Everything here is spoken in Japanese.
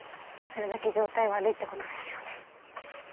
それだけ状態悪いってことですよね。